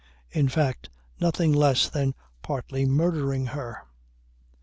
In fact nothing less than partly murdering her.